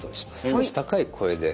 少し高い声で。